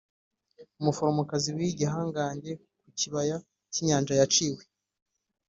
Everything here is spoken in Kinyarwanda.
umuforomokazi w'igihangange ku kibaya cy'inyanja yaciwe,